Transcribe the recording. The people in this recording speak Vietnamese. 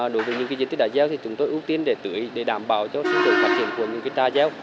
đối với những diện tích đã gieo thì chúng tôi ước tiên để tưới để đảm bảo cho sự phát triển của những diện tích đã gieo